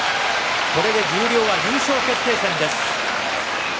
これで十両は優勝決定戦です。